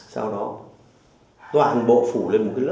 sau đó toàn bộ phủ lên một cái lớp